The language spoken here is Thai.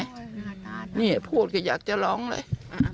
อันนี้พูดคืออยากจะร้องอย่างนี้